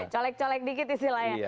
colek colek dikit istilahnya